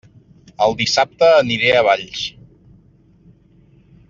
El dissabte aniré a Valls!